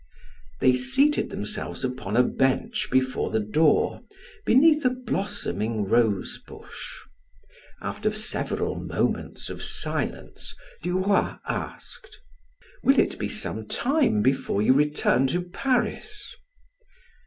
They seated themselves upon a bench before the door, beneath a blossoming rosebush. After several moments of silence Duroy asked: "Will it be some time before you return to Paris?"